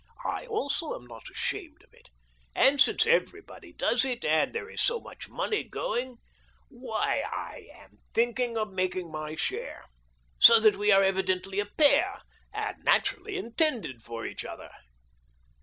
I also am not ashamed of it. And since everybody does it, and there is so much money going — why, / am thinking of making 7nj/ share. So we are evidently a pair, and naturally intended for each other